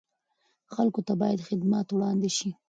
خلکو ته باید خدمات وړاندې شي.